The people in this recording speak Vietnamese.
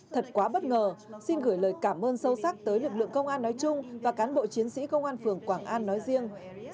thật quá bất ngờ xin gửi lời cảm ơn sâu sắc tới lực lượng công an nói chung và cán bộ chiến sĩ công an phường quảng an nói riêng